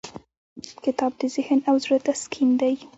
کتاب د ذهن او زړه تسکین دی.